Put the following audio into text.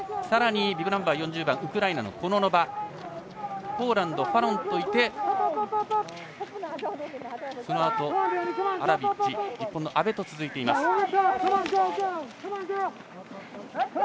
さらにビブナンバー４０番ウクライナのコノノバポーランド、ファロンといてそのあと、アラビッチ日本の阿部と続いています。